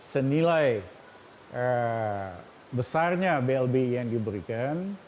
senilai besarnya blbi yang diberikan